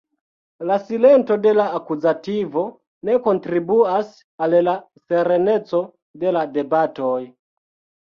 La silento de la akuzito ne kontribuas al la sereneco de la debatoj.